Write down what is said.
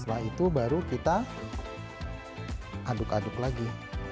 setelah itu baru kita aduk aduk lagi